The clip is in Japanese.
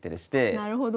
なるほど。